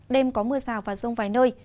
đêm có mưa rào và rông vài nơi